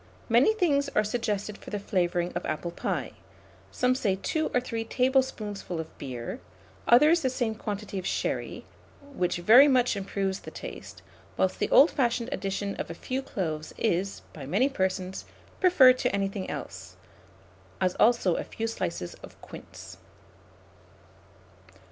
Many things are suggested for the flavouring of apple pie; some say 2 or 3 tablespoonfuls of beer, others the same quantity of sherry, which very much improve the taste; whilst the old fashioned addition of a few cloves is, by many persons, preferred to anything else, as also a few slices of quince.